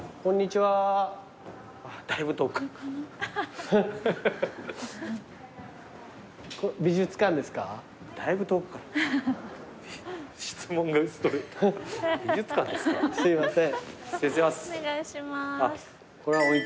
はいすいません。